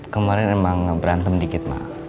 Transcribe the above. kemarin emang berantem dikit mah